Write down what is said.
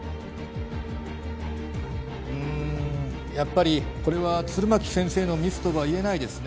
うんやっぱりこれは弦巻先生のミスとはいえないですね